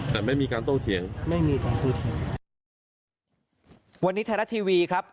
แต่ไม่มีการโต้เถียงไม่มีการพูดเถียงวันนี้ไทยรัฐทีวีครับ